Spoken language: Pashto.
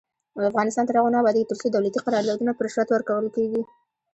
افغانستان تر هغو نه ابادیږي، ترڅو دولتي قراردادونه په رشوت ورکول کیږي.